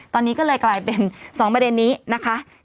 ตอนนี้ก็เลยกลายเป็น๒ประเด็นนี้นะคะ